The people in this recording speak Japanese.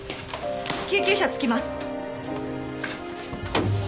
救急車着きます。